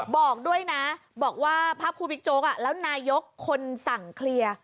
บอกด้วยนะบอกว่าภาพครูบิ๊กโจ๊กแล้วนายกคนสั่งเคลียร์